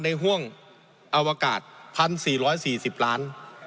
ห่วงอวกาศ๑๔๔๐ล้าน